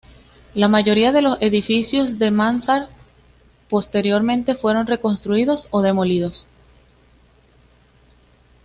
La mayoría de los edificios de Mansart posteriormente fueron reconstruidos o demolidos.